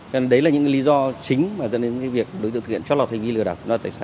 nên đấy là những lý do chính mà dẫn đến việc đối tượng thực hiện cho lọt thông tin lừa đạp